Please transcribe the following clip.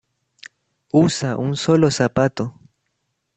Usa un solo zapato.